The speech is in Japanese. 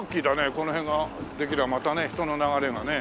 この辺ができればまたね人の流れがね。